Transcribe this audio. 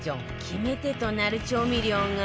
決め手となる調味料が